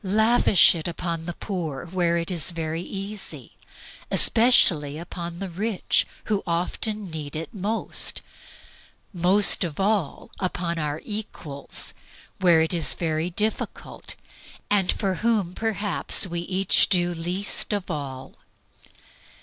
Lavish it upon the poor, where it is very easy; especially upon the rich, who often need it most; most of all upon our equals, where it is very difficult, and for whom perhaps we each do least of all.